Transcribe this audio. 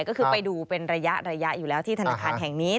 ก็คือไปดูเป็นระยะอยู่แล้วที่ธนาคารแห่งนี้